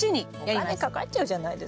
お金かかっちゃうじゃないですか。